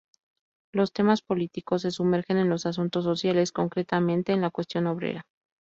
Los temas políticos se sumergen en los asuntos sociales, concretamente en la "cuestión obrera".